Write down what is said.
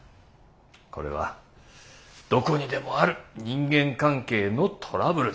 これはどこにでもある人間関係のトラブルですよ。